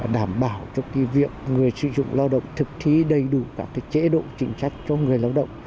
đảm bảo cho cái việc người sử dụng lao động thực thí đầy đủ các cái chế độ chính trách cho người lao động